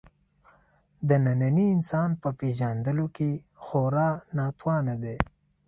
د ننني انسان په پېژندلو کې خورا ناتوانه دی.